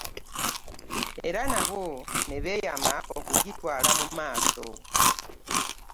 Era nabo ne beeyama okugitwala mu maaso.